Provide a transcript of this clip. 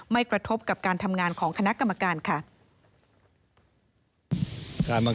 กระทบกับการทำงานของคณะกรรมการค่ะ